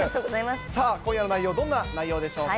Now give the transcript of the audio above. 今夜の内容、どんな内容でしょうか？